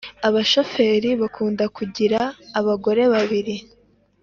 abashoferi bakunda kugira abagore babiri